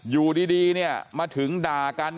อยู่ดีเนี่ยมาถึงด่ากัน